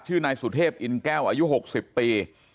นายสุเทพอินแก้วอายุ๖๐ปี